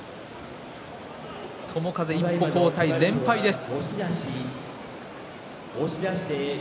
友風、一歩後退、連敗です。